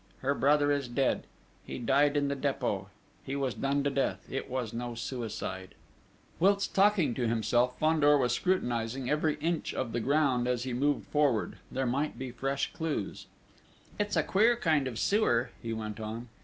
Her brother is dead: he died in the Dépôt: he was done to death it was no suicide!" Whilst talking to himself Fandor was scrutinising every inch of the ground as he moved forward: there might be fresh clues: "It's a queer kind of sewer," he went on.